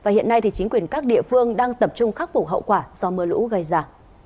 hiện nay chính quyền các địa phương đang tập trung khắc phục hậu quả do mưa lũ gây ra